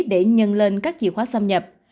để nhân lên các chìa khóa xâm nhập